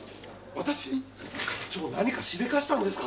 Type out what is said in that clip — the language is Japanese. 私に⁉課長何かしでかしたんですか？